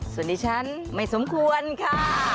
สวัสดีฉันไม่สมควรค่ะ